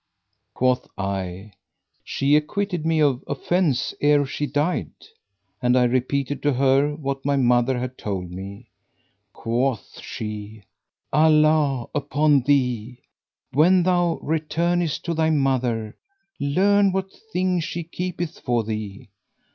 Quoth I, "She acquitted me of offence ere she died;" and I repeated to her what my mother had told me. Quoth she, "Allah upon thee! when thou returnest to thy mother, learn what thing she keepeth for thee."